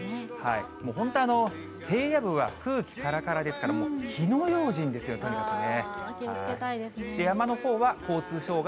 もう本当、平野部は空気からからですから、火の用心ですよ、とにかくね。